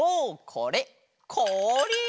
これこおり！